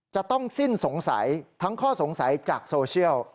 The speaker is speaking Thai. จะต้องสิ้นสงสัยทั้งข้อสงสัยจากโซเชียล